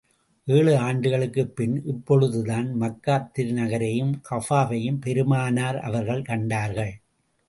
ஏழு ஆண்டுகளுக்குப் பின், இப்பொழுதுதான் மக்காத் திருநகரையும் கஃபாவையும் பெருமானார் அவர்கள் கண்டார்கள்.